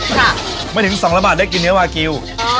ไม่ถึงสองละบาทได้กินเนื้อวากิล